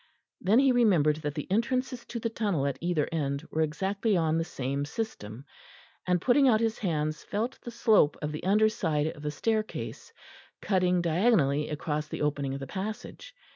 Then he remembered that the entrances to the tunnel at either end were exactly on the same system; and putting out his hands felt the slope of the underside of the staircase, cutting diagonally across the opening of the passage.